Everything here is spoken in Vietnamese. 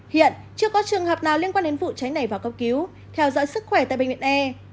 hiện chưa có trường hợp nào liên quan đến vụ cháy này vào cấp cứu theo dõi sức khỏe tại bệnh viện e